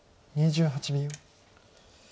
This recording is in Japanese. ２８秒。